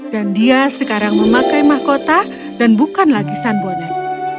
dan dia sekarang memakai mahkota dan bukan lagi sanbonen